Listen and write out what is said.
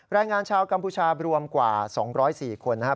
แรงงานชาวกัมพูชารวมกว่า๒๐๔คนนะครับ